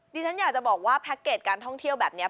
ดิฉันอยากจะบอกว่าแพ็คเกจการท่องเที่ยวแบบนี้